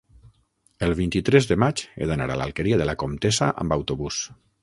El vint-i-tres de maig he d'anar a l'Alqueria de la Comtessa amb autobús.